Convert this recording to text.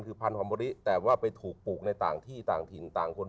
คือพันธอมโบริแต่ว่าไปถูกปลูกในต่างที่ต่างถิ่นต่างคน